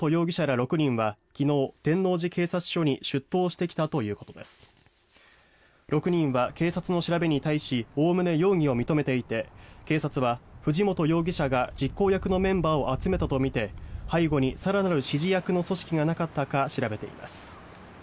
６人は警察の調べに対しおおむね容疑を認めていて警察は藤本容疑者が実行役のメンバーを集めたとみて背後にさらなる指示役の組織がなかったか調べています。